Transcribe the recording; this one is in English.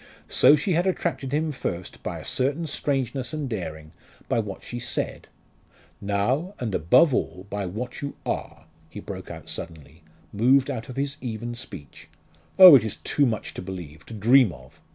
So she had attracted him first, by a certain strangeness and daring by what she said "Now and above all by what you are!" he broke out suddenly, moved out of his even speech. "Oh! it is too much to believe to dream of!